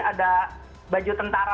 ada baju tentara